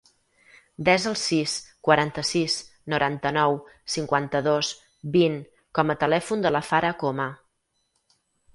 Desa el sis, quaranta-sis, noranta-nou, cinquanta-dos, vint com a telèfon de la Farah Coma.